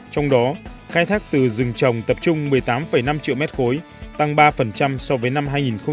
trong đó khai thác từ rừng trồng tập trung một mươi tám năm triệu mét khối tăng ba so với năm hai nghìn một mươi bảy